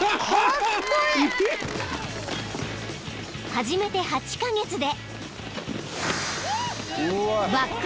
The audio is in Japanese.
［始めて８カ月で］